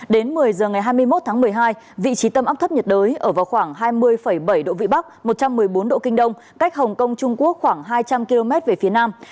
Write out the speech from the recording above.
đến một mươi h ngày hai mươi một tháng một mươi hai vị trí tâm áp thấp nhiệt đới ở vào khoảng hai mươi bảy độ vĩ bắc một trăm một mươi bốn độ kinh đông cách hồng kông trung quốc khoảng hai trăm linh km về phía nam